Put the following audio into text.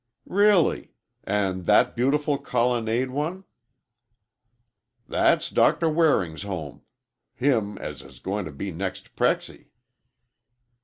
"Really! And that beautiful colonnade one?" "That's Doctor Waring's home. Him as is going to be next Prexy."